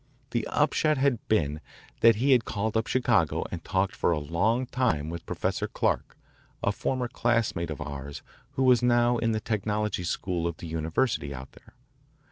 The upshot had been that he had called up Chicago and talked for a long time with Professor Clark, a former classmate of ours who was now in the technology school of the university out there.